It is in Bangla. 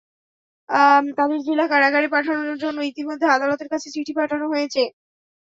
তাদের জেলা কারাগারে পাঠানোর জন্য ইতিমধ্যে আদালতের কাছে চিঠি পাঠানো হয়েছে।